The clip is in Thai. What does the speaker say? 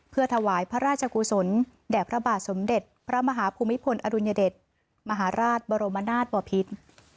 เพื่อถวายพระราชกุศลแด่พระบาทสมเด็จพระมหาภูมิพลอดุลยเดชมหาราชบรมนาศบอพิษ